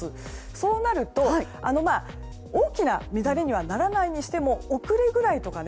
そうなると、大きな乱れにはならないにしても遅れぐらいとかね